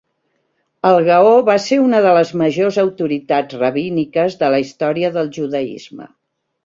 El Gaó va ser una de les majors autoritats rabíniques de la història del judaisme.